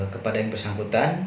kepada yang bersangkutan